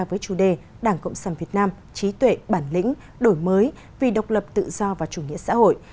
với chủ đề đảng cộng sản việt nam trí tuệ bản lĩnh đổi mới vì độc lập tự do và chủ nghĩa xã hội